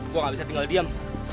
gua gabisa tinggal diam